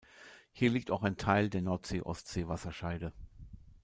Hier liegt auch ein Teil der Nordsee-Ostsee-Wasserscheide.